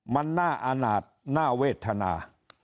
มันน่าอาณาจน่าเวทนา